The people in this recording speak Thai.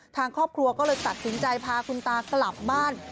ทางครอบครัวก็เลยตัดสินใจพาคุณตากลับบ้าน